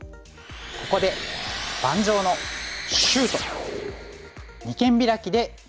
ここで盤上のシュート！